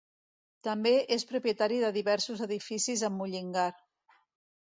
També és propietari de diversos edificis a Mullingar.